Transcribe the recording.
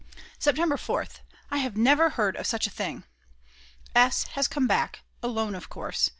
September 4th. I never heard of such a thing!! S. has come back, alone of course.